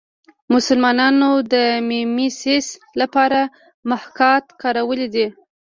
مسلمانانو د میمیسیس لپاره محاکات کارولی دی